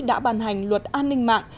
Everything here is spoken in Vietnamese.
đã bàn hành luật an ninh mạng